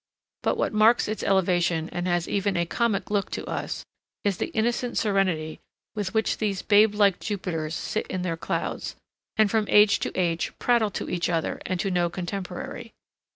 But what marks its elevation and has even a comic look to us, is the innocent serenity with which these babe like Jupiters sit in their clouds, and from age to age prattle to each other and to no contemporary.